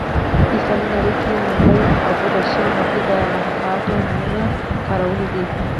په اسلامي نړۍ کې لومړی ابو بشر متي د محاکات نومونه کارولې ده